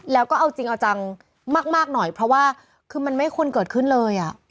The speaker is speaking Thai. แล้วก็เอาจริงเอาจังมากหน่อยเพราะว่าคือมันไม่ควรเกิดขึ้นเลย